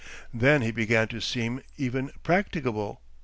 Then he began to seem even practicable.